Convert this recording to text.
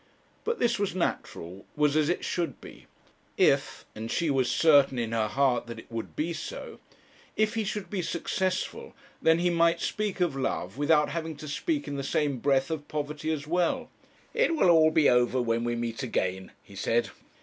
But this was natural, was as it should be. If and she was certain in her heart that it would be so if he should be successful, then he might speak of love without having to speak in the same breath of poverty as well. 'It will be all over when we meet again,' he said.